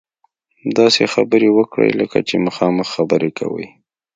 داسې خبرې وکړئ لکه چې مخامخ خبرې کوئ.